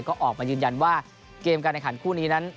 ก็ออกมายืนยันว่าเกมการแข่งขันคู่นี้นั้น